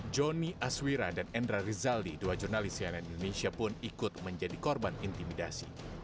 joni aswira dan endra rizaldi dua jurnalis cnn indonesia pun ikut menjadi korban intimidasi